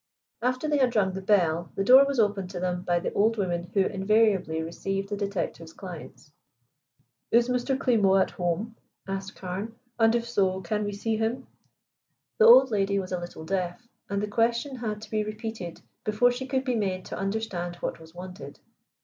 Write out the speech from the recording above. After they had rung the bell and the door was opened to them by the old woman who invariably received the detective's clients. "Is Mr. Klimo at home?" asked Carne. "And if so, can we see him?" The old lady was a little deaf, and the question had to be repeated before she could be made to understand what was wanted.